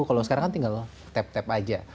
kalau sekarang kan tinggal tap tap aja